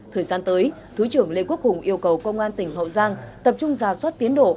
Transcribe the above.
thời gian tới thứ trưởng lê quốc hùng yêu cầu công an tỉnh hậu giang tập trung ra soát tiến đổ